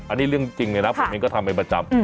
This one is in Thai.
อันนี้เรื่องจริงเลยนะผมเองก็ทำเป็นประจำ